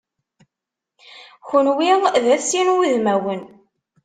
Kunwi d at sin wudmawen.